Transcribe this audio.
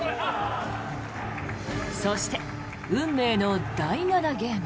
そして、運命の第７ゲーム。